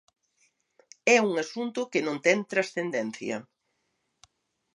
É un asunto que non ten transcendencia.